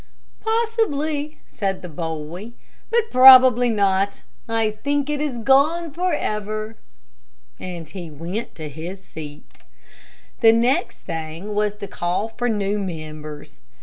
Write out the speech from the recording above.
"Possibly", said the boy, "but probably not. I think it is gone forever." And he went to his seat. The next thing was to call for new members.